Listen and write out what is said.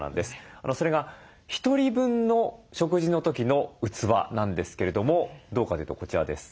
それが１人分の食事の時の器なんですけれどもどうかというとこちらです。